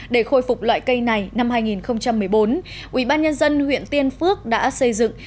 để khôi phục loại cây này năm hai nghìn một mươi bốn ubnd huyện tiên phước đã xây dựng